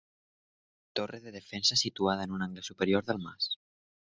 Torre de defensa situada en un angle superior del mas.